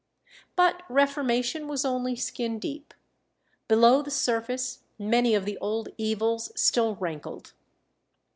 But reformation was only skin deep. Below the surface many of the old evils still rankled.